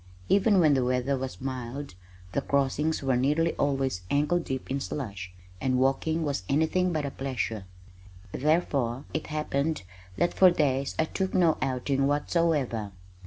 Even when the weather was mild, the crossings were nearly always ankle deep in slush, and walking was anything but a pleasure, therefore it happened that for days I took no outing whatsoever.